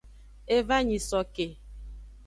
E va nyisoke.